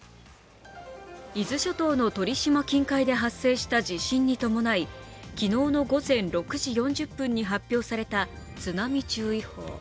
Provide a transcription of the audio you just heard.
伊豆諸島の鳥島近海で発生した地震に伴い昨日の午前６時４０分に発表された津波注意報。